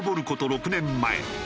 ６年前。